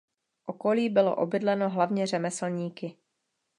Okolí bylo obydleno hlavně řemeslníky.